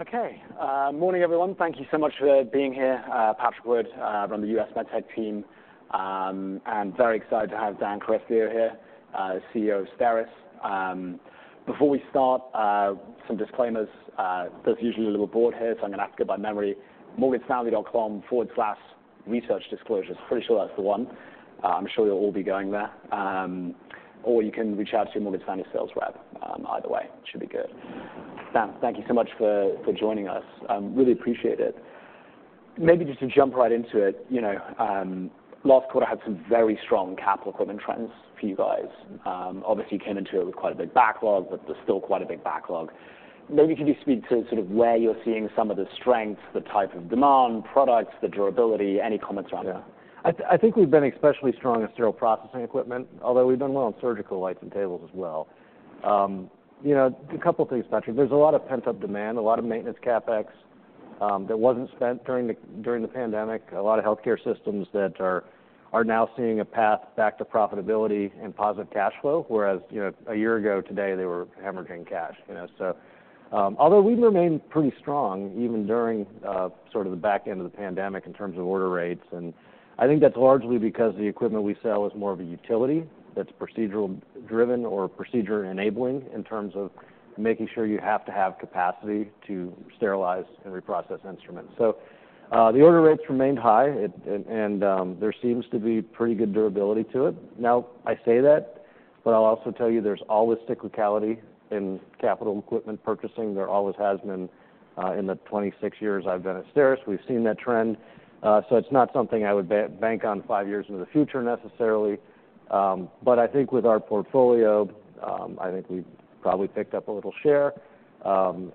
Okay, morning, everyone. Thank you so much for being here. Patrick Wood, from the U.S. MedTech team. I'm very excited to have Dan Carestio here, CEO of STERIS. Before we start, some disclaimers, there's usually a little board here, so I'm gonna have to go by memory. morganstanley.com/researchdisclosures. Pretty sure that's the one. I'm sure you'll all be going there. Or you can reach out to your Morgan Stanley sales rep, either way, it should be good. Dan, thank you so much for joining us. Really appreciate it. Maybe just to jump right into it, you know, last quarter had some very strong capital equipment trends for you guys. Obviously, you came into it with quite a big backlog, but there's still quite a big backlog. Maybe could you speak to sort of where you're seeing some of the strengths, the type of demand, products, the durability, any comments around that? Yeah. I think we've been especially strong in sterile processing equipment, although we've done well on surgical lights and tables as well. You know, a couple of things, Patrick. There's a lot of pent-up demand, a lot of maintenance CapEx that wasn't spent during the pandemic, a lot of healthcare systems that are now seeing a path back to profitability and positive cash flow, whereas, you know, a year ago today, they were hemorrhaging cash, you know. So, although we've remained pretty strong, even during sort of the back end of the pandemic in terms of order rates, and I think that's largely because the equipment we sell is more of a utility that's procedural driven or procedure enabling in terms of making sure you have to have capacity to sterilize and reprocess instruments. So, the order rates remained high, there seems to be pretty good durability to it. Now, I say that, but I'll also tell you, there's always cyclicality in capital equipment purchasing. There always has been, in the 26 years I've been at STERIS. We've seen that trend, so it's not something I would bank on five years into the future, necessarily. But I think with our portfolio, I think we've probably picked up a little share, and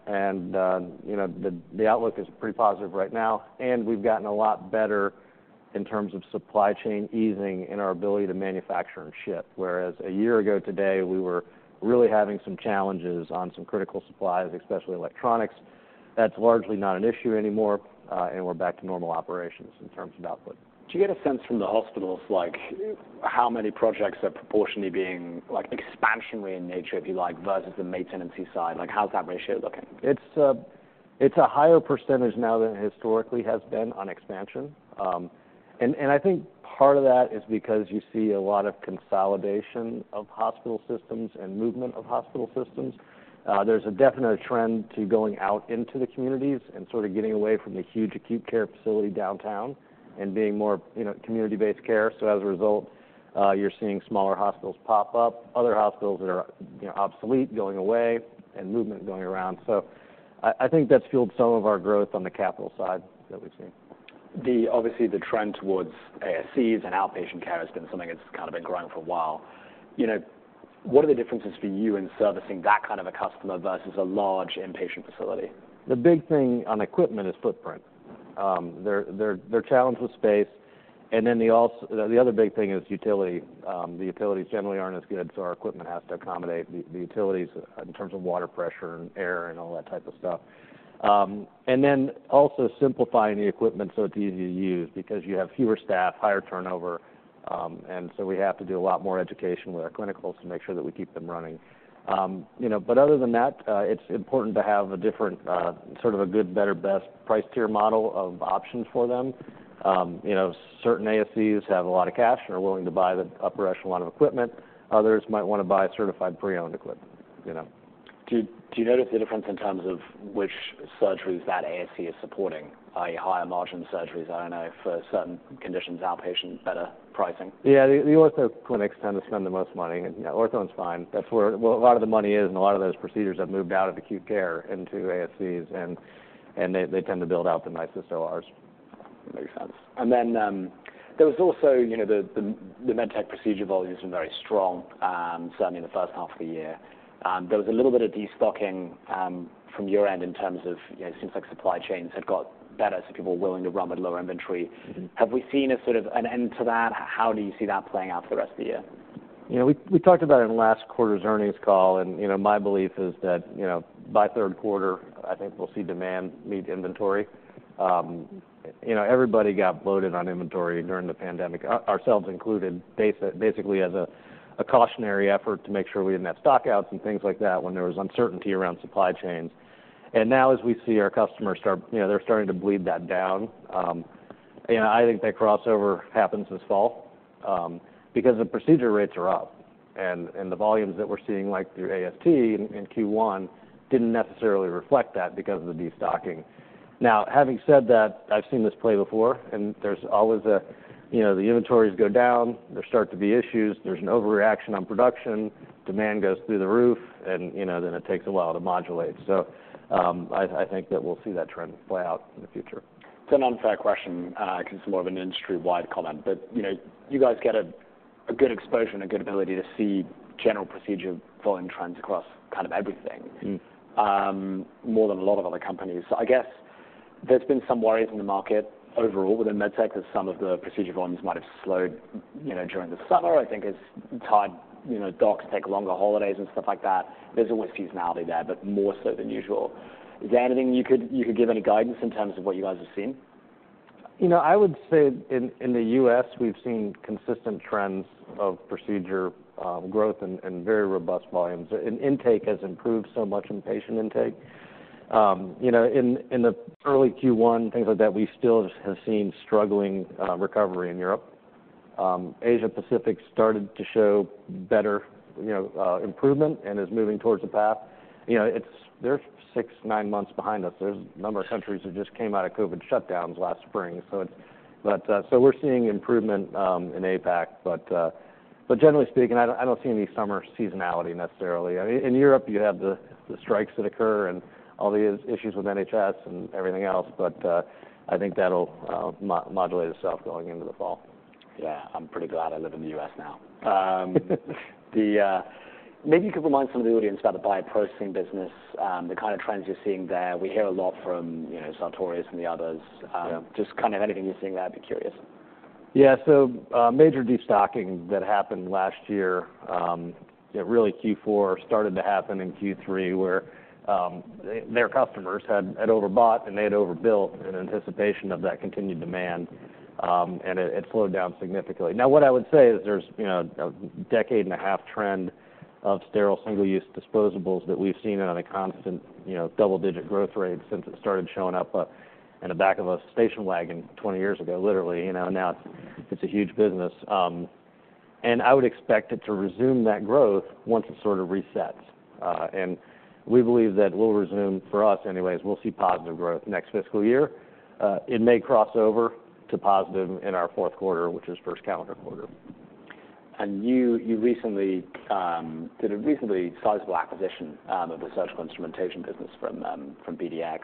you know, the outlook is pretty positive right now, and we've gotten a lot better in terms of supply chain easing and our ability to manufacture and ship. Whereas a year ago today, we were really having some challenges on some critical supplies, especially electronics. That's largely not an issue anymore, and we're back to normal operations in terms of output. Do you get a sense from the hospitals, like, how many projects are proportionately being, like, expansionary in nature, if you like, versus the maintenance side? Like, how's that ratio looking? It's a higher percentage now than it historically has been on expansion. And I think part of that is because you see a lot of consolidation of hospital systems and movement of hospital systems. There's a definite trend to going out into the communities and sort of getting away from the huge acute care facility downtown and being more, you know, community-based care. So as a result, you're seeing smaller hospitals pop up, other hospitals that are, you know, obsolete, going away, and movement going around. So I think that's fueled some of our growth on the capital side that we've seen. Obviously, the trend towards ASCs and outpatient care has been something that's kind of been growing for a while. You know, what are the differences for you in servicing that kind of a customer versus a large inpatient facility? The big thing on equipment is footprint. They're challenged with space, and then the other big thing is utility. The utilities generally aren't as good, so our equipment has to accommodate the utilities in terms of water pressure and air and all that type of stuff. And then also simplifying the equipment so it's easy to use because you have fewer staff, higher turnover, and so we have to do a lot more education with our clinicals to make sure that we keep them running. You know, but other than that, it's important to have a different sort of a good, better, best price tier model of options for them. You know, certain ASCs have a lot of cash and are willing to buy the upper echelon of equipment. Others might want to buy certified pre-owned equipment, you know. Do you notice the difference in terms of which surgeries that ASC is supporting, i.e., higher margin surgeries? I don't know, if for certain conditions, outpatient, better pricing. Yeah, the ortho clinics tend to spend the most money, and, you know, ortho is fine. That's where a lot of the money is, and a lot of those procedures have moved out of acute care into ASCs, and they tend to build out the nicest ORs. Makes sense. Then, there was also, you know, the med tech procedure volumes are very strong, certainly in the first half of the year. There was a little bit of destocking, from your end in terms of, you know, it seems like supply chains had got better, so people were willing to run with lower inventory. Mm-hmm. Have we seen a sort of an end to that? How do you see that playing out for the rest of the year? You know, we talked about it in last quarter's earnings call, and, you know, my belief is that, you know, by third quarter, I think we'll see demand meet inventory. You know, everybody got bloated on inventory during the pandemic, ourselves included, basically as a cautionary effort to make sure we didn't have stock outs and things like that when there was uncertainty around supply chains. And now, as we see our customers start... You know, they're starting to bleed that down. And I think that crossover happens this fall, because the procedure rates are up, and the volumes that we're seeing, like through AST in Q1, didn't necessarily reflect that because of the destocking. Now, having said that, I've seen this play before, and there's always a, you know, the inventories go down, there start to be issues, there's an overreaction on production, demand goes through the roof, and, you know, then it takes a while to modulate. So, I think that we'll see that trend play out in the future. It's an unfair question, because it's more of an industry-wide comment, but, you know, you guys get a good exposure and a good ability to see general procedure volume trends across kind of everything- Mm-hmm... more than a lot of other companies. So I guess there's been some worries in the market overall within med tech, that some of the procedure volumes might have slowed, you know, during the summer. I think it's tied, you know, docs take longer holidays and stuff like that. There's always seasonality there, but more so than usual. Is there anything you could give any guidance in terms of what you guys have seen? You know, I would say in the U.S., we've seen consistent trends of procedure growth and very robust volumes. And intake has improved so much in patient intake. You know, in the early Q1, things like that, we still have seen struggling recovery in Europe. Asia Pacific started to show better, you know, improvement and is moving towards the path. You know, it's-- they're 6-9 months behind us. There's a number of countries that just came out of COVID shutdowns last spring, so it's... But, so we're seeing improvement in APAC. But, but generally speaking, I don't, I don't see any summer seasonality necessarily. I mean, in Europe, you have the strikes that occur and all the issues with NHS and everything else, but I think that'll modulate itself going into the fall. Yeah. I'm pretty glad I live in the U.S. now. Maybe you could remind some of the audience about the bioprocessing business, the kind of trends you're seeing there. We hear a lot from, you know, Sartorius and the others. Yeah. Just kind of anything you're seeing there, I'd be curious. Yeah. So, major destocking that happened last year, really Q4 started to happen in Q3, where, their customers had overbought and they had overbuilt in anticipation of that continued demand, and it slowed down significantly. Now, what I would say is there's, you know, a 15-year trend of sterile, single-use disposables that we've seen on a constant, you know, double-digit growth rate since it started showing up in the back of a station wagon 20 years ago, literally, you know, now it's a huge business. And I would expect it to resume that growth once it sort of resets. And we believe that we'll resume, for us anyways, we'll see positive growth next fiscal year. It may cross over to positive in our fourth quarter, which is first calendar quarter. You, you recently did a reasonably sizable acquisition of the surgical instrumentation business from from BDX.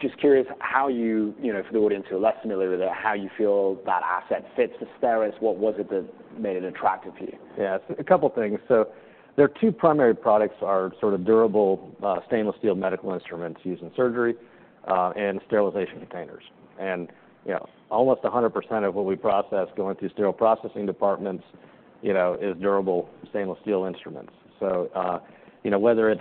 Just curious how you... You know, for the audience who are less familiar with it, how you feel that asset fits STERIS? What was it that made it attractive to you? Yeah, a couple of things. So their two primary products are sort of durable stainless steel medical instruments used in surgery and sterilization containers. And, you know, almost 100% of what we process going through sterile processing departments, you know, is durable stainless steel instruments. So, you know, whether it's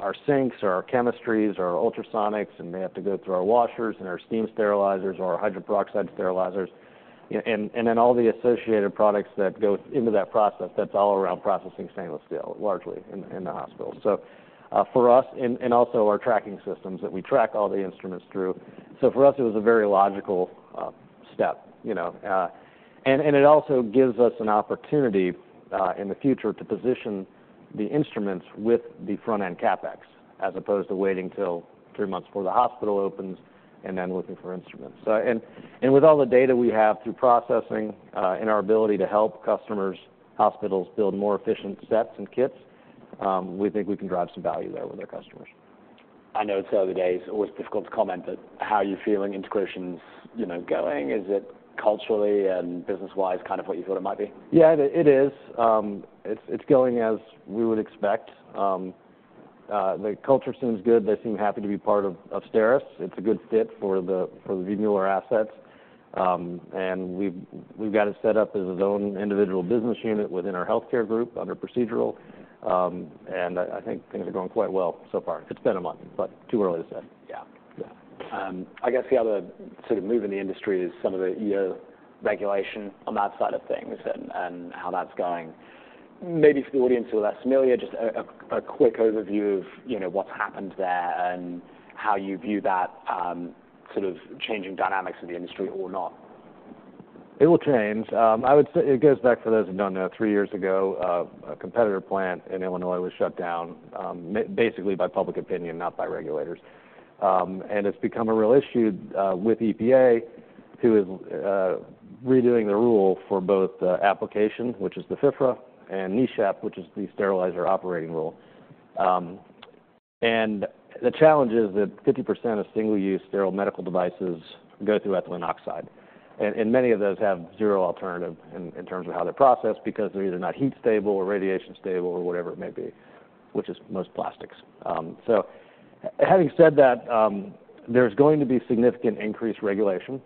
our sinks or our chemistries or our ultrasonics, and they have to go through our washers and our steam sterilizers or hydrogen peroxide sterilizers, and then all the associated products that go into that process, that's all around processing stainless steel, largely in the hospital. So, for us, and also our tracking systems that we track all the instruments through. So for us, it was a very logical step, you know, and it also gives us an opportunity in the future to position the instruments with the front-end CapEx, as opposed to waiting till three months before the hospital opens and then looking for instruments. And with all the data we have through processing and our ability to help customers, hospitals build more efficient sets and kits, we think we can drive some value there with their customers. I know it's early days, always difficult to comment, but how are you feeling integrations, you know, going? Is it culturally and business-wise kind of what you thought it might be? Yeah, it is. It's going as we would expect. The culture seems good. They seem happy to be part of STERIS. It's a good fit for the Mueller assets. And we've got it set up as its own individual business unit within our healthcare group, under procedural. And I think things are going quite well so far. It's been a month, but too early to say. Yeah. Yeah. I guess the other sort of move in the industry is some of the EO regulation on that side of things and how that's going. Maybe for the audience who are less familiar, just a quick overview of, you know, what's happened there and how you view that sort of changing dynamics of the industry or not. It will change. I would say it goes back, for those who don't know, three years ago, a competitor plant in Illinois was shut down, basically by public opinion, not by regulators. And it's become a real issue with EPA, who is redoing the rule for both the application, which is the FIFRA, and NESHAP, which is the sterilizer operating rule. And the challenge is that 50% of single-use sterile medical devices go through ethylene oxide, and many of those have zero alternative in terms of how they're processed, because they're either not heat stable or radiation stable or whatever it may be, which is most plastics. So having said that, there's going to be significant increased regulation.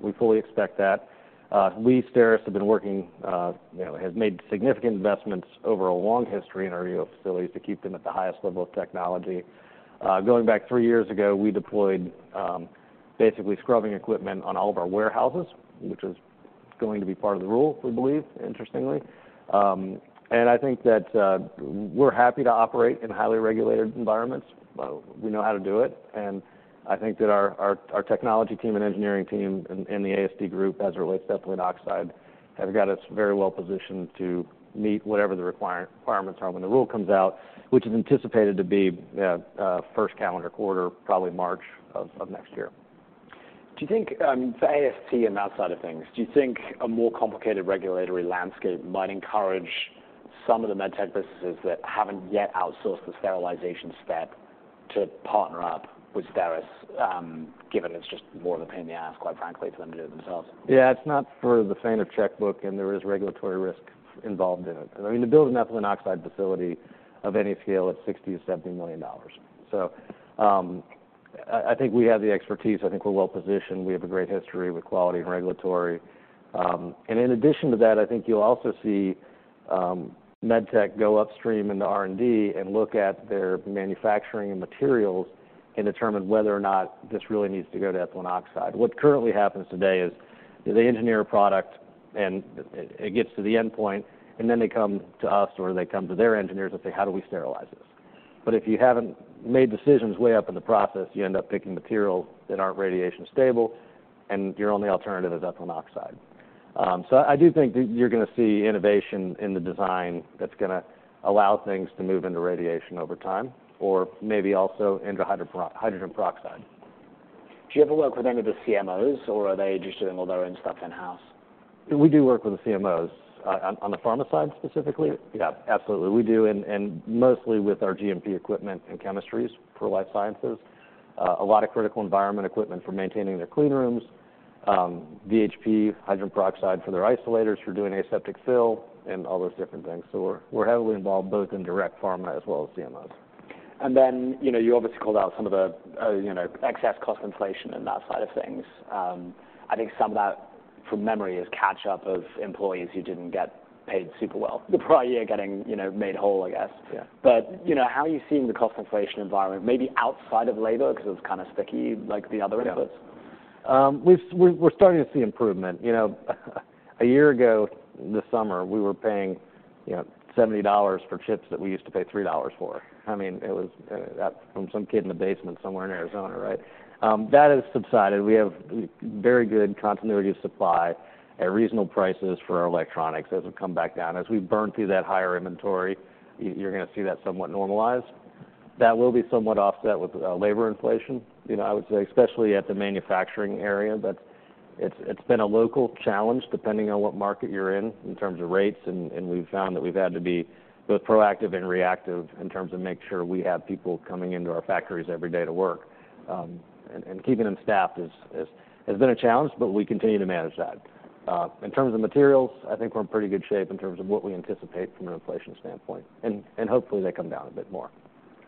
We fully expect that. We, Steris, have been working, you know, has made significant investments over a long history in our EO facilities to keep them at the highest level of technology. Going back three years ago, we deployed, basically scrubbing equipment on all of our warehouses, which is going to be part of the rule, we believe, interestingly. I think that, we're happy to operate in highly regulated environments. We know how to do it, and I think that our technology team and engineering team and the ASD group, as it relates to ethylene oxide, have got us very well positioned to meet whatever the requirements are when the rule comes out, which is anticipated to be, first calendar quarter, probably March of next year. Do you think, for AST and that side of things, do you think a more complicated regulatory landscape might encourage some of the med tech businesses that haven't yet outsourced the sterilization step to partner up with STERIS, given it's just more of a pain in the ass, quite frankly, for them to do it themselves? Yeah, it's not for the faint of checkbook, and there is regulatory risk involved in it. I mean, to build an ethylene oxide facility of any scale, it's $60 million-$70 million. So, I think we have the expertise. I think we're well positioned. We have a great history with quality and regulatory. And in addition to that, I think you'll also see med tech go upstream in the R&D and look at their manufacturing and materials, and determine whether or not this really needs to go to ethylene oxide. What currently happens today is, they engineer a product and it gets to the endpoint, and then they come to us or they come to their engineers and say, "How do we sterilize this?" But if you haven't made decisions way up in the process, you end up picking materials that aren't radiation stable, and your only alternative is ethylene oxide. So I do think that you're gonna see innovation in the design that's gonna allow things to move into radiation over time, or maybe also into hydrogen peroxide. Do you ever work with any of the CMOs, or are they just doing all their own stuff in-house? We do work with the CMOs. On the pharma side, specifically? Yeah, absolutely. We do, and mostly with our GMP equipment and chemistries for life sciences. A lot of critical environment equipment for maintaining their clean rooms, VHP, hydrogen peroxide for their isolators, for doing aseptic fill, and all those different things. So we're heavily involved both in direct pharma as well as CMOs. And then, you know, you obviously called out some of the, you know, excess cost inflation and that side of things. I think some of that, from memory, is catch-up of employees who didn't get paid super well, the prior year, getting, you know, made whole, I guess. Yeah. You know, how are you seeing the cost inflation environment, maybe outside of labor, because it's kind of sticky, like the other inputs? Yeah. We're starting to see improvement. You know, a year ago, this summer, we were paying, you know, $70 for chips that we used to pay $3 for. I mean, it was from some kid in a basement somewhere in Arizona, right? That has subsided. We have very good continuity of supply at reasonable prices for our electronics. Those have come back down. As we burn through that higher inventory, you're gonna see that somewhat normalized. That will be somewhat offset with labor inflation, you know, I would say, especially at the manufacturing area. But it's been a local challenge, depending on what market you're in, in terms of rates, and we've found that we've had to be both proactive and reactive in terms of making sure we have people coming into our factories every day to work. And keeping them staffed has been a challenge, but we continue to manage that. In terms of materials, I think we're in pretty good shape in terms of what we anticipate from an inflation standpoint, and hopefully they come down a bit more.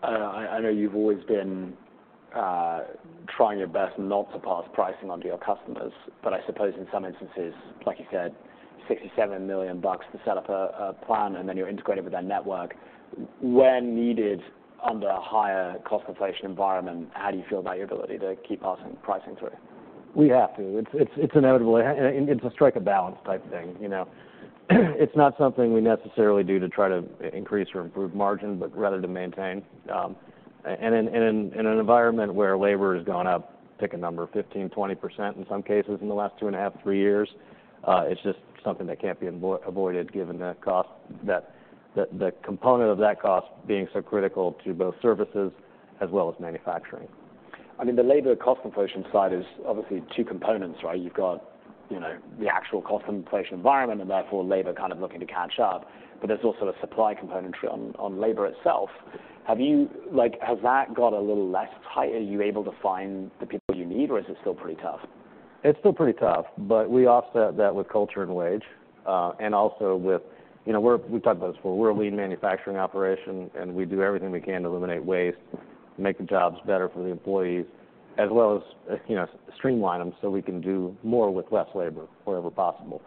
I know you've always been trying your best not to pass pricing on to your customers, but I suppose in some instances, like you said, $67 million to set up a plan and then you're integrated with that network. When needed under a higher cost inflation environment, how do you feel about your ability to keep passing pricing through? We have to. It's inevitable, and it's a strike-a-balance type thing, you know? It's not something we necessarily do to try to increase or improve margin, but rather to maintain. And in an environment where labor has gone up, pick a number, 15%-20% in some cases in the last 2.5 years-3 years, it's just something that can't be avoided given the cost, the component of that cost being so critical to both services as well as manufacturing. I mean, the labor cost inflation side is obviously two components, right? You've got, you know, the actual cost inflation environment, and therefore, labor kind of looking to catch up, but there's also a supply component on labor itself. Have you—like, has that got a little less tight? Are you able to find the people you need, or is it still pretty tough? It's still pretty tough, but we offset that with culture and wage, and also with... You know, we've talked about this before. We're a lean manufacturing operation, and we do everything we can to eliminate waste, make the jobs better for the employees, as well as, you know, streamline them, so we can do more with less labor wherever possible.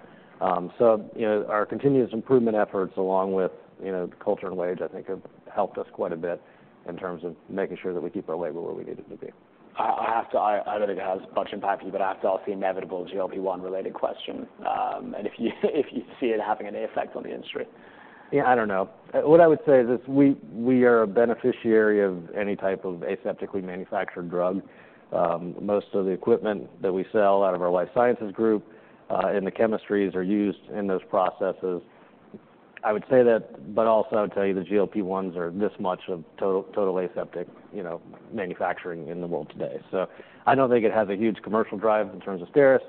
So, you know, our continuous improvement efforts, along with, you know, the culture and wage, I think, have helped us quite a bit in terms of making sure that we keep our labor where we need it to be. I don't think I was bunching packing, but I have to ask the inevitable GLP-1 related question, and if you see it having any effect on the industry. Yeah, I don't know. What I would say is this: we are a beneficiary of any type of aseptically manufactured drug. Most of the equipment that we sell out of our life sciences group, and the chemistries are used in those processes. I would say that, but also tell you the GLP-1s are this much of total aseptic, you know, manufacturing in the world today. So I don't think it has a huge commercial drive in terms of STERIS.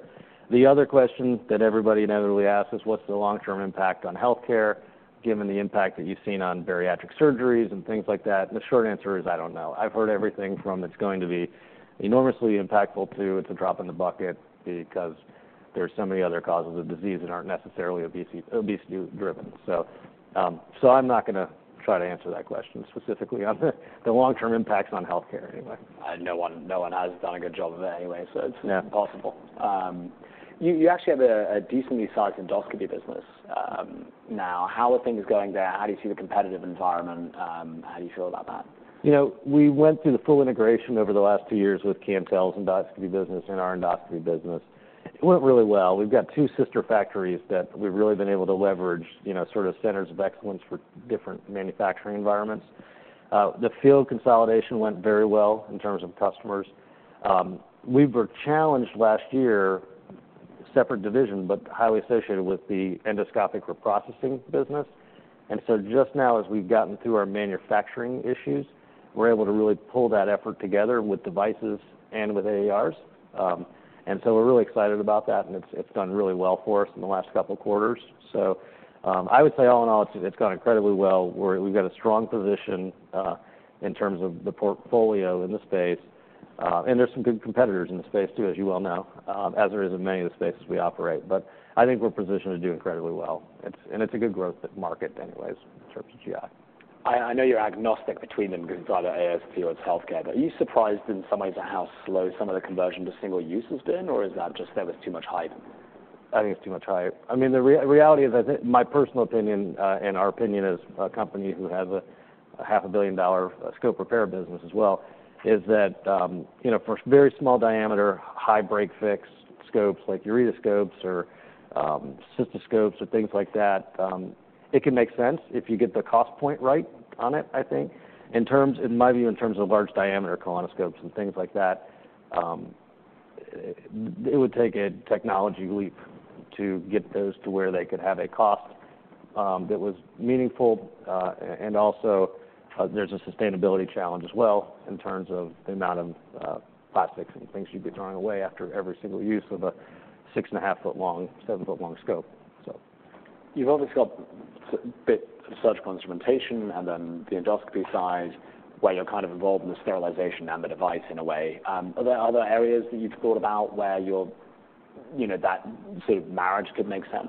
The other question that everybody inevitably asks is, what's the long-term impact on healthcare, given the impact that you've seen on bariatric surgeries and things like that? And the short answer is, I don't know. I've heard everything from, "It's going to be enormously impactful," to, "It's a drop in the bucket," because there are so many other causes of disease that aren't necessarily obesity driven. So, I'm not gonna try to answer that question, specifically on the long-term impacts on healthcare anyway. No one has done a good job of that anyway, so it's- Yeah... impossible. You actually have a decently sized endoscopy business. Now, how are things going there? How do you see the competitive environment? How do you feel about that? You know, we went through the full integration over the last two years with Cantel's endoscopy business and our endoscopy business. It went really well. We've got two sister factories that we've really been able to leverage, you know, sort of centers of excellence for different manufacturing environments. The field consolidation went very well in terms of customers. We were challenged last year, separate division, but highly associated with the endoscopic reprocessing business. And so just now, as we've gotten through our manufacturing issues, we're able to really pull that effort together with devices and with AERs. And so we're really excited about that, and it's done really well for us in the last couple of quarters. So, I would say, all in all, it's gone incredibly well. We've got a strong position in terms of the portfolio in the space. And there's some good competitors in the space, too, as you well know, as there is in many of the spaces we operate. But I think we're positioned to do incredibly well. It's, and it's a good growth market anyways, in terms of GI.... I know you're agnostic between them, because either ASP or it's healthcare, but are you surprised in some ways at how slow some of the conversion to single use has been, or is that just there was too much hype? I think it's too much hype. I mean, the reality is that it my personal opinion, and our opinion as a company who has a $500 million scope repair business as well, is that, you know, for very small diameter, high break fix scopes, like ureteroscopes or, cystoscopes or things like that, it can make sense if you get the cost point right on it, I think. In my view, in terms of large diameter colonoscopes and things like that, it would take a technology leap to get those to where they could have a cost, that was meaningful. And also, there's a sustainability challenge as well, in terms of the amount of plastics and things you'd be throwing away after every single use of a 6.5-foot-long, 7-foot-long scope, so. You've obviously got a bit of surgical instrumentation and then the endoscopy side, where you're kind of involved in the sterilization and the device in a way. Are there other areas that you've thought about where you're, you know, that sort of marriage could make sense?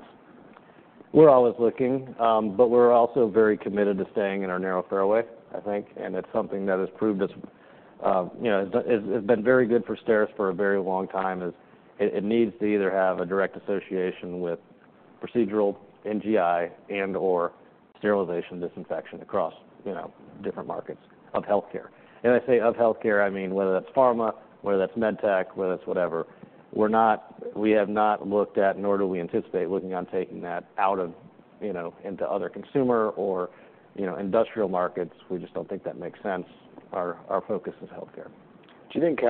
We're always looking, but we're also very committed to staying in our narrow fairway, I think, and it's something that has proved us, you know, it's, it's been very good for STERIS for a very long time, is it, it needs to either have a direct association with procedural NGI and/or sterilization, disinfection across, you know, different markets of healthcare. And I say of healthcare, I mean, whether that's pharma, whether that's medtech, whether that's whatever, we're not-- we have not looked at, nor do we anticipate looking on taking that out of, you know, into other consumer or, you know, industrial markets. We just don't think that makes sense. Our, our focus is healthcare. Do you think,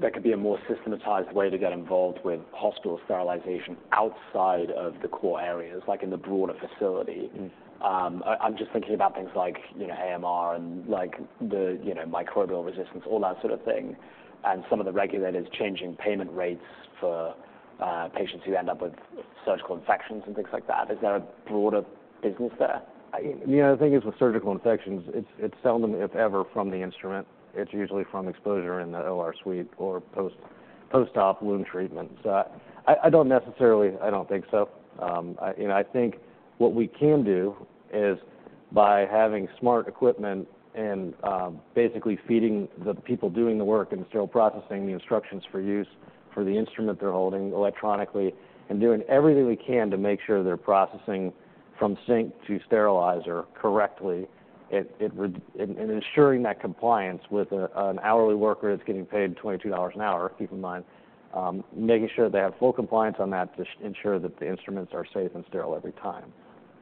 there could be a more systematized way to get involved with hospital sterilization outside of the core areas, like in the broader facility? Mm. I'm just thinking about things like, you know, AMR and, like, the, you know, microbial resistance, all that sort of thing, and some of the regulators changing payment rates for patients who end up with surgical infections and things like that. Is there a broader business there? Yeah, the thing is, with surgical infections, it's seldom, if ever, from the instrument. It's usually from exposure in the OR suite or postop wound treatment. So I don't necessarily... I don't think so. You know, I think what we can do is by having smart equipment and basically feeding the people doing the work and sterile processing the instructions for use, for the instrument they're holding electronically, and doing everything we can to make sure they're processing from sink to sterilizer correctly, it would, and ensuring that compliance with an hourly worker that's getting paid $22 an hour, keep in mind, making sure they have full compliance on that to ensure that the instruments are safe and sterile every time,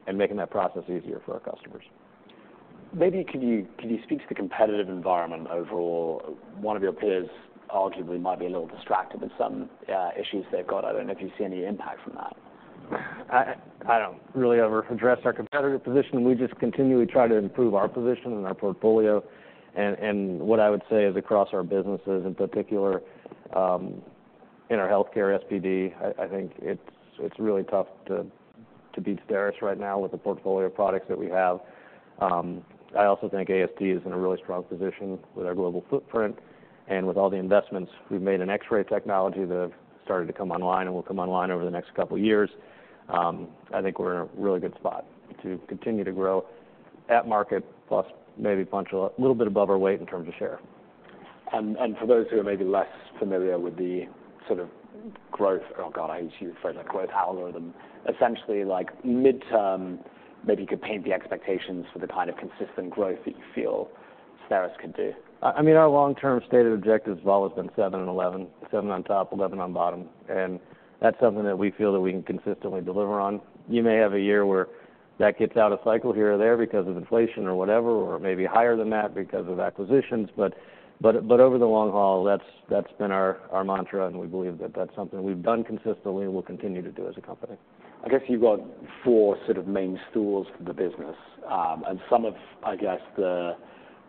and making that process easier for our customers. Maybe could you, could you speak to the competitive environment overall? One of your peers, arguably, might be a little distracted with some issues they've got. I don't know if you see any impact from that. I don't really ever address our competitive position. We just continually try to improve our position and our portfolio. And what I would say is across our businesses, in particular, in our healthcare SPD, I think it's really tough to beat STERIS right now with the portfolio of products that we have. I also think AST is in a really strong position with our global footprint and with all the investments we've made in X-ray technology that have started to come online and will come online over the next couple of years. I think we're in a really good spot to continue to grow at market plus maybe a little bit above our weight in terms of share. For those who are maybe less familiar with the sort of growth, oh, God, I use the phrase like growth algorithm, essentially like midterm. Maybe you could paint the expectations for the kind of consistent growth that you feel STERIS could do. I mean, our long-term stated objective has always been 7 and 11, 7 on top, 11 on bottom, and that's something that we feel that we can consistently deliver on. You may have a year where that gets out of cycle here or there because of inflation or whatever, or maybe higher than that because of acquisitions, but over the long haul, that's been our mantra, and we believe that that's something we've done consistently and will continue to do as a company. I guess you've got four sort of main stools for the business, and some of, I guess, the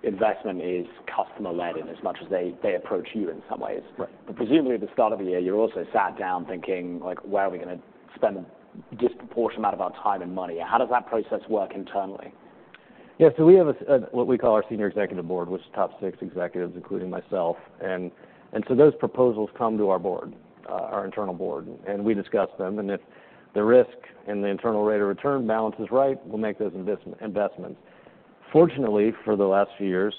investment is customer led in as much as they approach you in some ways. Right. Presumably, at the start of the year, you also sat down thinking, like, where are we going to spend a disproportionate amount of our time and money? How does that process work internally? Yeah, so we have what we call our senior executive board, which is top six executives, including myself. And so those proposals come to our board, our internal board, and we discuss them. And if the risk and the internal rate of return balance is right, we'll make those investments. Fortunately, for the last few years,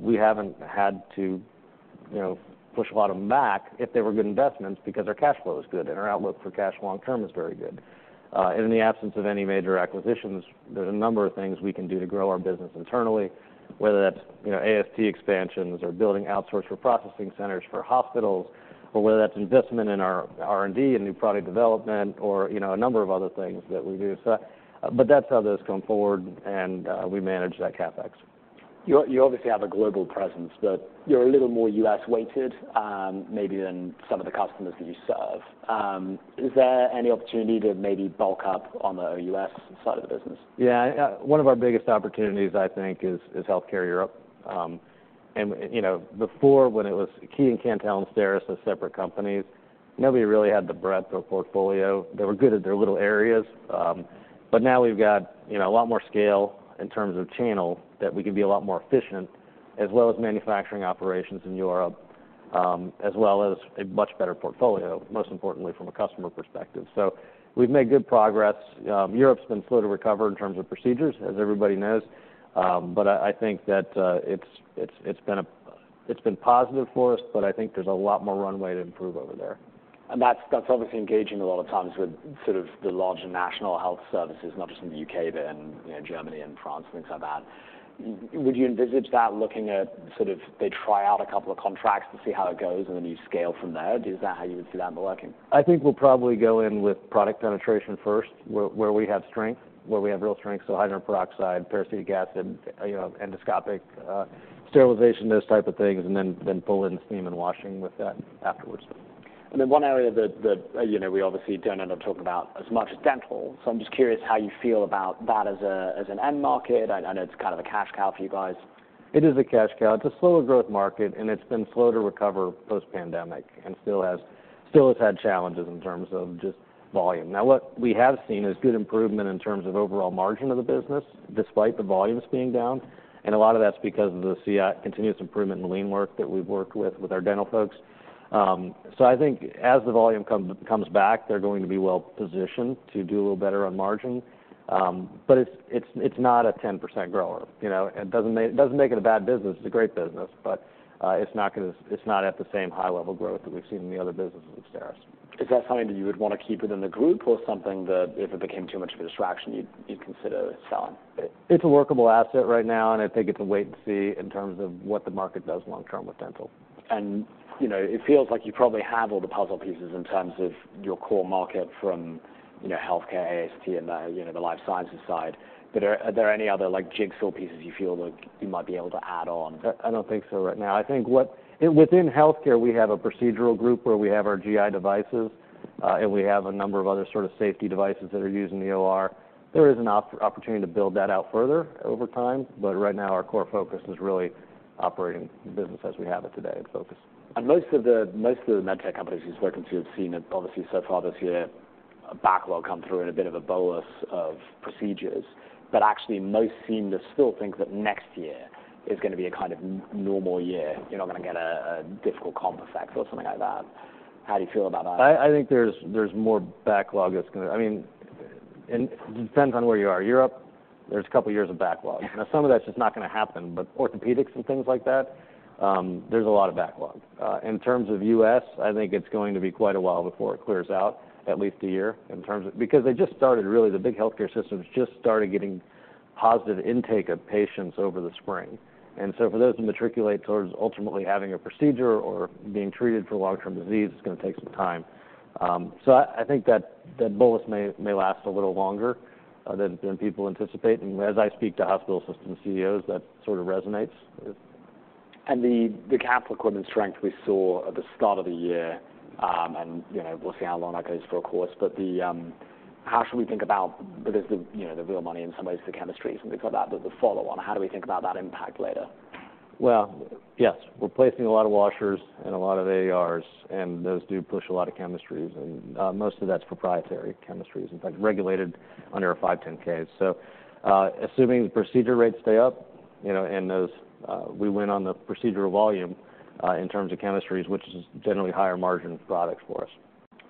we haven't had to, you know, push a lot of them back if they were good investments because our cash flow is good and our outlook for cash long term is very good. In the absence of any major acquisitions, there's a number of things we can do to grow our business internally, whether that's, you know, AST expansions or building outsourced processing centers for hospitals, or whether that's investment in our R&D and new product development, or, you know, a number of other things that we do. But that's how those come forward, and we manage that CapEx. You obviously have a global presence, but you're a little more U.S. weighted, maybe than some of the customers that you serve. Is there any opportunity to maybe bulk up on the U.S. side of the business? Yeah. One of our biggest opportunities, I think, is healthcare Europe. And, you know, before, when it was Key and Cantel and STERIS as separate companies, nobody really had the breadth of portfolio. They were good at their little areas, but now we've got, you know, a lot more scale in terms of channel, that we can be a lot more efficient, as well as manufacturing operations in Europe, as well as a much better portfolio, most importantly, from a customer perspective. So we've made good progress. Europe's been slow to recover in terms of procedures, as everybody knows. But I think that it's been positive for us, but I think there's a lot more runway to improve over there. That's obviously engaging a lot of times with sort of the larger national health services, not just in the U.K., but in, you know, Germany and France, and things like that. Would you envisage that looking at sort of, they try out a couple of contracts to see how it goes, and then you scale from there? Is that how you would see that working? I think we'll probably go in with product penetration first, where, where we have strength, where we have real strength, so hydrogen peroxide, peracetic acid, you know, endoscopic sterilization, those type of things, and then, then pull in steam and washing with that afterwards. And then one area that, you know, we obviously don't end up talking about as much is dental. So I'm just curious how you feel about that as an end market. I know it's kind of a cash cow for you guys. It is a cash cow. It's a slow growth market, and it's been slow to recover post-pandemic, and still has, still has had challenges in terms of just volume. Now, what we have seen is good improvement in terms of overall margin of the business, despite the volumes being down, and a lot of that's because of the CI- continuous improvement in lean work that we've worked with with our dental folks. So I think as the volume come, comes back, they're going to be well positioned to do a little better on margin. But it's, it's, it's not a 10% grower, you know? It doesn't make, doesn't make it a bad business. It's a great business, but, it's not gonna-- It's not at the same high level growth that we've seen in the other businesses at STERIS. Is that something that you would want to keep it in the group or something that if it became too much of a distraction, you'd consider selling? It's a workable asset right now, and I think it's a wait-and-see in terms of what the market does long term with dental. You know, it feels like you probably have all the puzzle pieces in terms of your core market from, you know, healthcare, AST, and the, you know, the life sciences side. But are there any other, like, jigsaw pieces you feel like you might be able to add on? I don't think so right now. I think what... Within healthcare, we have a procedural group where we have our GI devices, and we have a number of other sort of safety devices that are used in the OR. There is an opportunity to build that out further over time, but right now, our core focus is really operating the business as we have it today in focus. Most of the med tech companies who's working to have seen it, obviously, so far this year, a backlog come through and a bit of a bolus of procedures, but actually most seem to still think that next year is gonna be a kind of normal year. You're not gonna get a difficult comp effect or something like that. How do you feel about that? I think there's more backlog that's gonna... I mean, and it depends on where you are. Europe, there's a couple of years of backlog. Now, some of that's just not gonna happen, but orthopedics and things like that, there's a lot of backlog. In terms of U.S., I think it's going to be quite a while before it clears out, at least a year, in terms of. Because they just started, really, the big healthcare systems just started getting positive intake of patients over the spring. And so for those to matriculate towards ultimately having a procedure or being treated for long-term disease, it's gonna take some time. So I think that bolus may last a little longer than people anticipate. And as I speak to hospital system CEOs, that sort of resonates with. The capital equipment strength we saw at the start of the year, you know, we'll see how long that goes for, of course, but... How should we think about, because, you know, the real money in some ways, the chemistries and we call that the follow on. How do we think about that impact later? Well, yes, we're replacing a lot of washers and a lot of ARs, and those do push a lot of chemistries, and most of that's proprietary chemistries. In fact, regulated under a 510(k). So, assuming the procedure rates stay up, you know, and those we win on the procedural volume in terms of chemistries, which is generally higher margin products for us.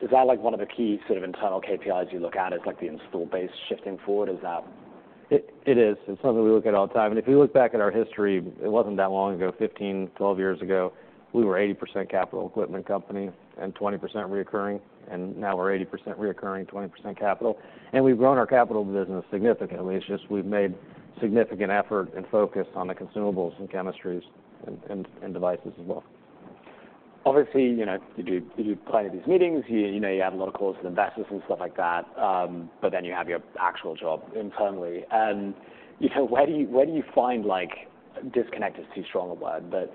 Is that like one of the key sort of internal KPIs you look at, is like the install base shifting forward, is that? It is. It's something we look at all the time. If we look back at our history, it wasn't that long ago, 15, 12 years ago, we were 80% capital equipment company and 20% recurring, and now we're 80% recurring, 20% capital. We've grown our capital business significantly. It's just we've made significant effort and focus on the consumables and chemistries and devices as well. Obviously, you know, you do, you do plenty of these meetings. You, you know, you have a lot of calls with investors and stuff like that, but then you have your actual job internally. You know, where do you, where do you find, like, disconnect is too strong a word, but,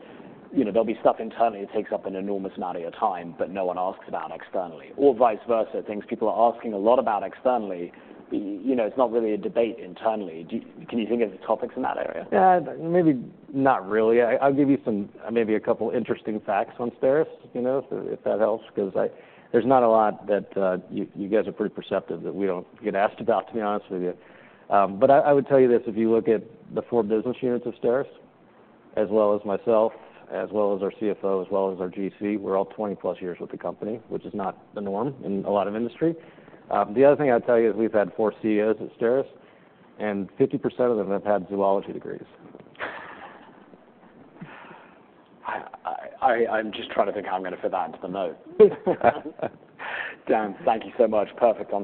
you know, there'll be stuff internally that takes up an enormous amount of your time, but no one asks about externally, or vice versa, things people are asking a lot about externally, you know, it's not really a debate internally. Can you think of the topics in that area? Yeah, maybe not really. I'll give you some, maybe a couple interesting facts on STERIS, you know, if that helps, because there's not a lot that, you guys are pretty perceptive, that we don't get asked about, to be honest with you. But I would tell you this, if you look at the four business units of STERIS, as well as myself, as well as our CFO, as well as our GC, we're all 20+ years with the company, which is not the norm in a lot of industry. The other thing I'd tell you is we've had four CEOs at STERIS, and 50% of them have had zoology degrees. I'm just trying to think how I'm gonna fit that into the mode. Dan, thank you so much. Perfect on-